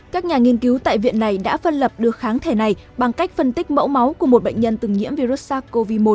các nhà nghiên cứu tại viện này đã phân lập được kháng thể này bằng cách phân tích mẫu máu của một bệnh nhân từng nhiễm virus sars cov hai